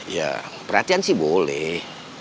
ya perhatian sih boleh